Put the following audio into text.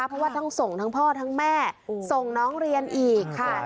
เพราะว่าต้องส่งทั้งพ่อทั้งแม่ส่งน้องเรียนอีกค่ะ